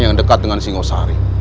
yang dekat dengan singosari